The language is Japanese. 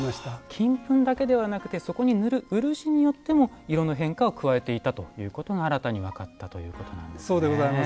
金粉だけではなくてそこに塗る漆によっても色の変化を加えていたということが新たに分かったということなんですね。